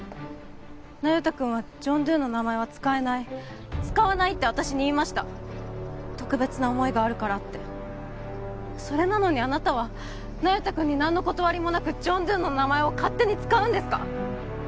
那由他君はジョン・ドゥの名前は使えない使わないって私に言いました特別な思いがあるからってそれなのにあなたは那由他君に何の断りもなくジョン・ドゥの名前を勝手に使うんですか？